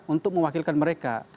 untuk mewakilkan mereka